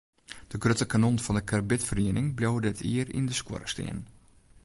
De grutte kanonnen fan de karbidferiening bliuwe dit jier yn de skuorre stean.